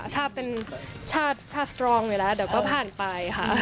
ชาติเป็นชาติสตรองอยู่แล้วเดี๋ยวก็ผ่านไปค่ะ